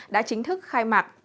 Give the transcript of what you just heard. đã chính thức khai mạc